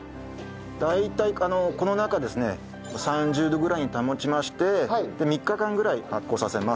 大体この中はですね３０度ぐらいに保ちまして３日間ぐらい発酵させます。